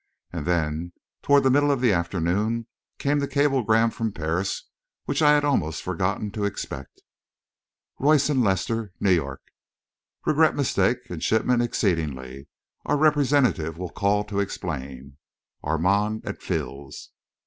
And then, toward the middle of the afternoon, came the cablegram from Paris which I had almost forgotten to expect: "Royce & Lester, New York. "Regret mistake in shipment exceedingly. Our representative will call to explain. "Armand et Fils."